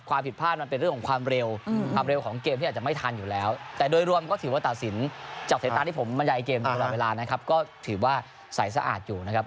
ความผิดพลาดมันเป็นเรื่องของความเร็วความเร็วของเกมที่อาจจะไม่ทันอยู่แล้วแต่โดยรวมก็ถือว่าตัดสินจากสายตาที่ผมบรรยายเกมอยู่ตลอดเวลานะครับก็ถือว่าใสสะอาดอยู่นะครับ